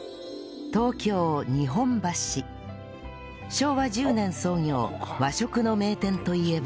昭和１０年創業和食の名店といえば